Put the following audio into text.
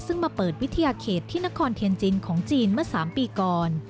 ซึ่งมาเปิดวิทยาเขตที่นครเทียนจินของจีนเมื่อ๓ปีก่อน